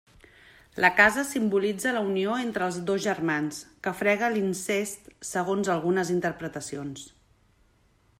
La casa simbolitza la unió entre els dos germans, que frega l'incest segons algunes interpretacions.